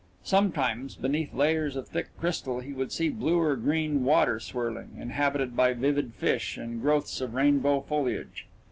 Sometimes beneath layers of thick crystal he would see blue or green water swirling, inhabited by vivid fish and growths of rainbow foliage.